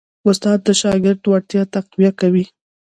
استاد د شاګرد وړتیا تقویه کوي.